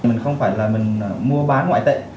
mình không phải là mình mua bán ngoại tệ